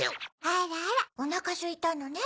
あらあらおなかすいたのね。